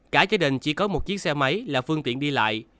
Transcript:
cả gia đình chỉ có một chiếc xe máy là phương tiện đi lại